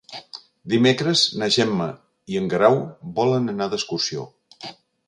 Dimecres na Gemma i en Guerau volen anar d'excursió.